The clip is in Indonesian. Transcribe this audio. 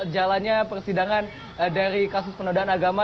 jalannya persidangan dari kasus penodaan agama